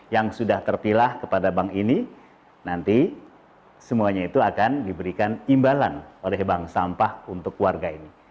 yang sudah terpilah kepada bank ini nanti semuanya itu akan diberikan imbalan oleh bank sampah untuk warga ini